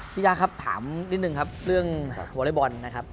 ยากครับถามนิดนึงครับเรื่องวอเล็กบอลนะครับ